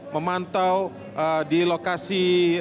memantau di lokasi